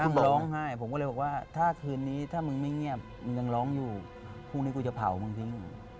ร้องไห้ผมก็เลยบอกว่าถ้าคืนนี้ถ้ามึงไม่เงียบมึงยังร้องอยู่พรุ่งนี้กูจะเผามึงทิ้ง